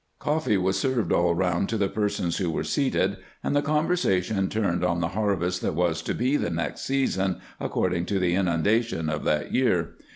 Coffee was served all round to the persons who were seated, and the conversation turned on the harvest, that was to be the next season, according to the inundation of that year.